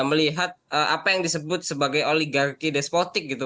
melihat apa yang disebut sebagai oligarki despotik gitu